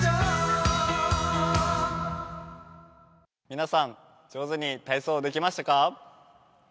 皆さん、上手に体操できましたか。